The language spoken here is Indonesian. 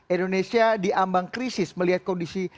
indonesia diambang krisis melihat kondisi